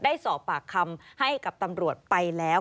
ได้สอบปากคำให้กับตำรวจไปแล้ว